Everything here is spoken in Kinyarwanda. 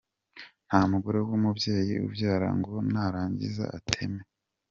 Nta mugore wu mubyeyi ubyara ngo narangiza ateme